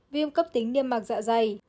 viêm cấp tính niêm mạc dọa dày